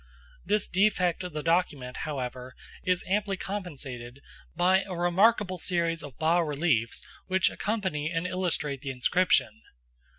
This defect of the document, however, is amply compensated by a remarkable series of bas reliefs which accompany and illustrate the inscription.